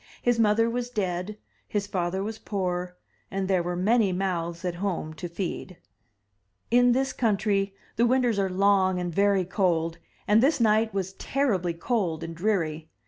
His mother was dead, 284 THE TREASURE CHEST his father was poor, and there were many mouths at home to feed. In this country the winters are long and very cold, and this night was terribly cold and dreary.